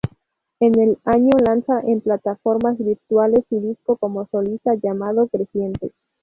En el año lanza en plataformas virtuales su disco como solista llamado "Creciente".